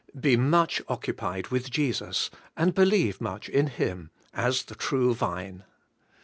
Be much occupied with Jesus, and believe much in Him, as the True Vine.